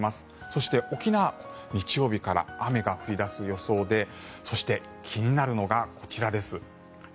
そして、沖縄日曜日から雨が降り出す予想でそして、気になるのがこちらです。